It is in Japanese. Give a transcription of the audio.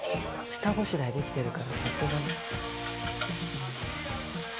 「下ごしらえできてるからさすが」